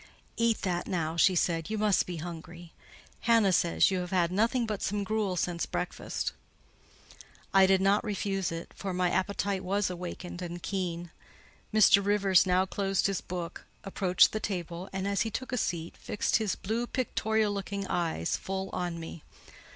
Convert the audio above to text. "Eat that now," she said: "you must be hungry. Hannah says you have had nothing but some gruel since breakfast." I did not refuse it, for my appetite was awakened and keen. Mr. Rivers now closed his book, approached the table, and, as he took a seat, fixed his blue pictorial looking eyes full on me.